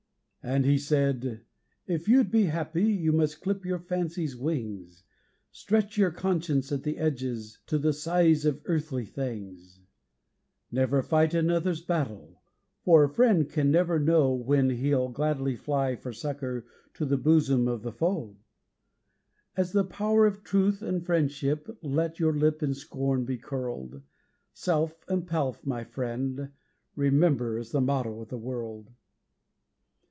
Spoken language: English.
And he said: 'If you'd be happy, you must clip your fancy's wings, Stretch your conscience at the edges to the size of earthly things; Never fight another's battle, for a friend can never know When he'll gladly fly for succour to the bosom of the foe. At the power of truth and friendship let your lip in scorn be curled 'Self and Pelf', my friend, remember, is the motto of the world.